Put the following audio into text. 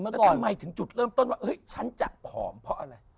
แล้วทำไมถึงจุดเริ่มต้นว่าเฮ้ยฉันจะผอมเพราะอะไร